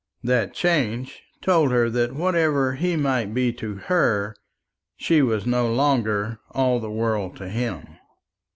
That change told her that whatever he might be to her, she was no longer all the world to him.